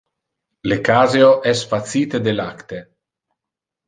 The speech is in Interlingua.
Le caseo es facite de lacte.